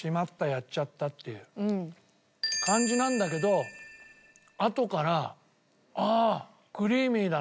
やっちゃった！っていう感じなんだけどあとからああクリーミーだなって。